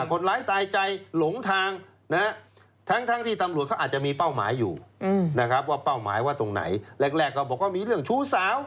คนร้ายตายใจหลงทางทั้งที่ตำรวจเขาอาจจะมีเป้าหมายอยู่นะครับว่าเป้าหมายว่าตรงไหนแรกก็บอกว่ามีเรื่องชู้สาว